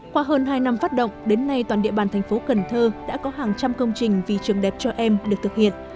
qua hơn hai năm phát động đến nay toàn địa bàn thành phố cần thơ đã có hàng trăm công trình vì trường đẹp cho em được thực hiện